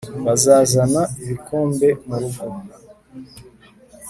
bazazana ibikombe murugo